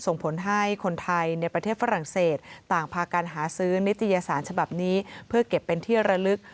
นิทยาศาสตร์ฉบับนี้เพื่อเก็บเป็นที่ระลึก